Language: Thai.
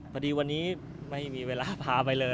พอดีวันนี้ไม่มีเวลาพาไปเลย